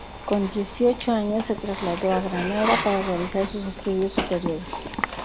Con dieciocho años se trasladó a Granada para realizar sus estudios superiores.